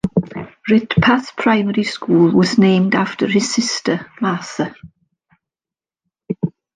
Ridpath Primary School was named after his sister Martha.